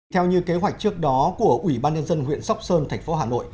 theo như kế hoạch trước đó của ủy ban nhân dân huyện sóc sơn thành phố hà nội